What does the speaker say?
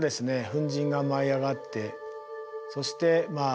粉じんが舞い上がってそしてまあ